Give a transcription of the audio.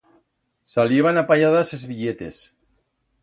Saliban a palladas es billetes.